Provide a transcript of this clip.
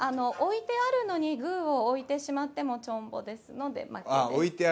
置いてあるのにグーを置いてしまってもちょんぼですので負けです。